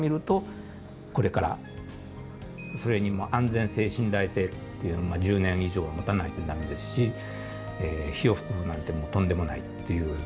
それに安全性信頼性っていうのが１０年以上もたないとダメですし火を噴くなんてとんでもないっていう。